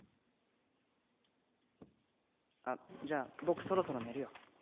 あっじゃあ僕そろそろ寝るよ